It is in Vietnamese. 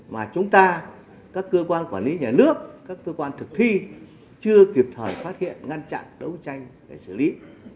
mà chúng ta các cơ quan quản lý nhà nước các cơ quan thực thi chưa kịp thời phát hiện ngăn chặn đấu tranh để xử lý